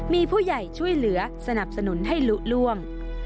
มีผู้ใหญ่ช่วยเหลือสนับสนุนให้ลุล่วง